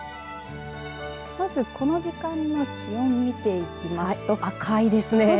まず、この時間の気温見ていきますと赤いですね。